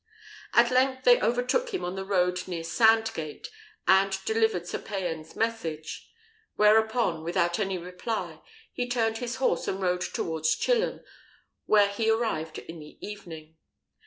At length they overtook him on the road near Sandgate, and delivered Sir Payan's message; whereupon, without any reply, he turned his horse and rode towards Chilham, where he arrived in the evening.